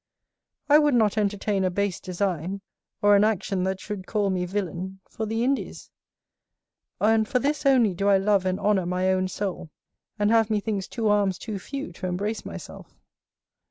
I would not entertain a base design, or an action that should call me villain, for the Indies; and for this only do I love and honour my own soul, and have methinks two arms too few to embrace myself.